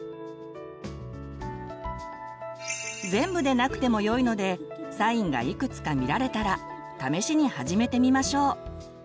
全部でなくてもよいのでサインがいくつか見られたら試しに始めてみましょう。